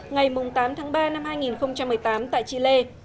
ngày tám tháng ba năm hai nghìn một mươi tám tại chile